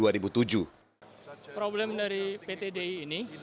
problem dari pt di ini